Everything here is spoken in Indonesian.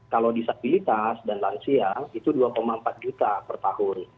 kalau disabilitas dan langsia itu rp dua empat ratus per tahun